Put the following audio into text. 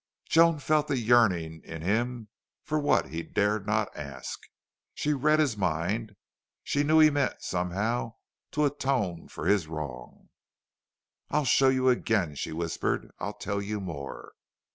Joan felt the yearning in him for what he dared not ask. She read his mind. She knew he meant, somehow, to atone for his wrong. "I'll show you again," she whispered. "I'll tell you more.